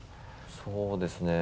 そうですね